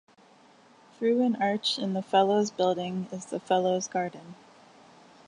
Through an arch in the Fellows' Building is the Fellows' Garden.